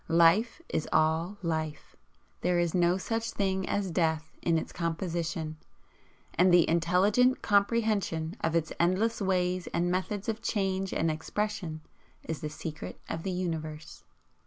Life is all Life. There is no such thing as Death in its composition, and the intelligent comprehension of its endless ways and methods of change and expression, is the Secret of the Universe.